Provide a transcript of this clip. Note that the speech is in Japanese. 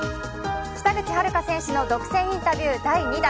北口榛花選手の独占インタビュー第２弾。